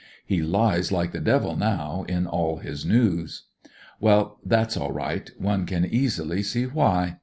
He lies like the devil now in all his news. Well, that's all right ; one can easily see why.